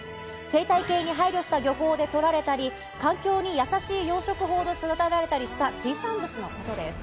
生態系に配慮した漁法で取られたり、環境にやさしい養殖法で育てられたりした水産物のことです。